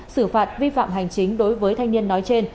xử phạt vi phạm hành chính đối với thanh niên nói trên